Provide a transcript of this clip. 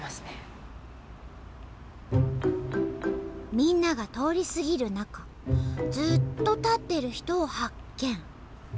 みんなが通り過ぎる中ずっと立ってる人を発見。